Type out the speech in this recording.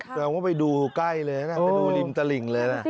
แสดงว่าไปดูใกล้เลยนะไปดูริมตลิ่งเลยนะ